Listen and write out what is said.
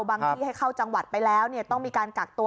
ที่ให้เข้าจังหวัดไปแล้วต้องมีการกักตัว